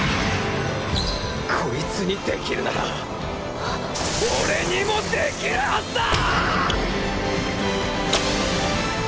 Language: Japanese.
こいつに出来るなら俺にも出来るはずだ！